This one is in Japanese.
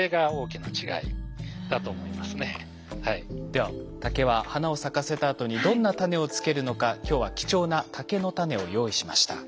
では竹は花を咲かせたあとにどんなタネをつけるのか今日は貴重な竹のタネを用意しました。